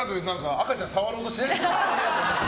赤ちゃん触ろうとしてない？